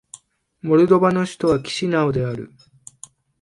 モルドバの首都はキシナウである